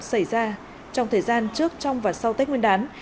xảy ra trong thời gian trước trong và sau tết nguyên đán